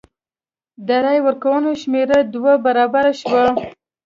د رای ورکوونکو شمېر دوه برابره شو.